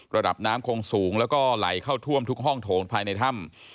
ระดับน้ำคงสูงแล้วก็ไหลเข้าท่วมทุกห้องโถงภายในถ้ำ